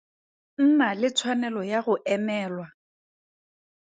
Nna le tshwanelo ya go emelwa.